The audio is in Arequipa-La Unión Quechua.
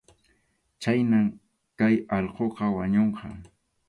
Chhaynam kay allquqa wañunqa.